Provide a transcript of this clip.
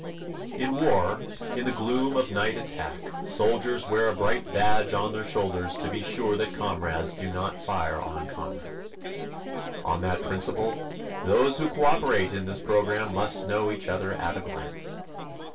In war, in the gloom of night attack, soldiers wear a bright badge on their shoulders to be sure that comrades do not fire on comrades. On that principle, those who cooperate in this program must know each other at a glance.